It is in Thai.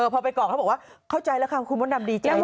พอไปก่อนเขาบอกว่าเข้าใจแล้วค่ะคุณมดดำดีแจ้งว่า